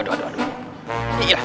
aduh aduh aduh